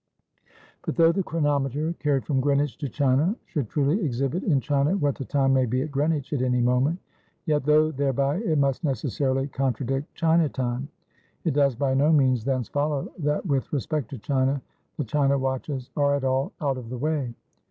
"But though the chronometer carried from Greenwich to China, should truly exhibit in China what the time may be at Greenwich at any moment; yet, though thereby it must necessarily contradict China time, it does by no means thence follow, that with respect to China, the China watches are at all out of the way.